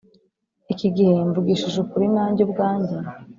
Iki gihe mvugishije ukuri nanjye ubwanjye